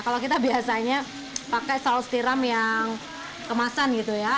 kalau kita biasanya pakai saus tiram yang kemasan gitu ya